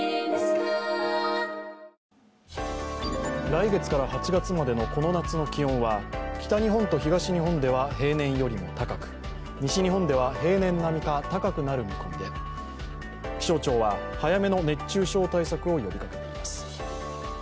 来月から８月までのこの夏の気温は北日本と東日本では平年よりも高く、西日本では平年並みか高くなる見込みで気象庁は早めの熱中症対策を呼びかけています。